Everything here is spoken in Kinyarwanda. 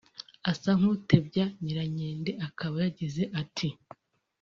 asa nk’utebya Nyirankende akaba yagize ati